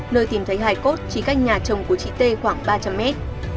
nơi tìm thấy hải cốt chỉ cách nhà chồng của chị t khoảng ba trăm linh mét